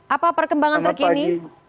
apa perkembangan terkini